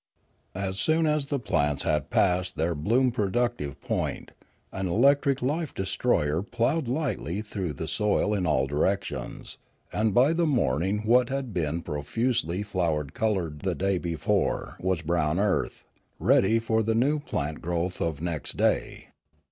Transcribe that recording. As soon as the plants had passed their bloom productive point, an electric life destroyer ploughed lightly through the soil in all directions; and by the 262 Limanora morning what bad been profusely flower coloured the day before was brown earth, ready for the new plant growth of next day.